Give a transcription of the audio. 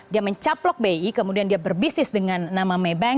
dia mencaplok bi kemudian dia berbisnis dengan nama maybank